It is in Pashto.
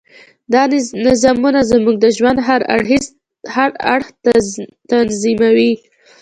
دا نظامونه زموږ د ژوند هر اړخ تنظیموي.